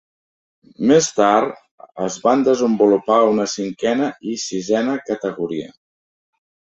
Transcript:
Més tard es van desenvolupar una cinquena i sisena categoria.